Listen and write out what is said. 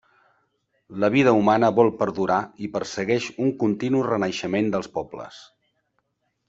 La vida humana vol perdurar i persegueix un continu renaixement dels pobles.